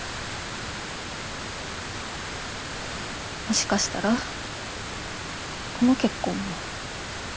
もしかしたらこの結婚も。